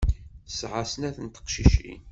Tesɛa snat n teqcicin.